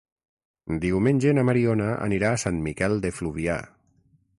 Diumenge na Mariona anirà a Sant Miquel de Fluvià.